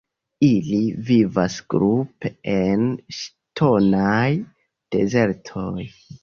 Ili vivas grupe en ŝtonaj dezertoj.